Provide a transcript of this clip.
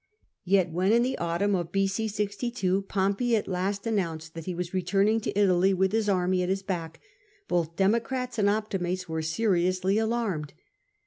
Yet when, in the autumn of B.c. 62, Pompey at last announced that he was returning to Italy with his army at his back, both Democrats and Optimates were seriously alarmed.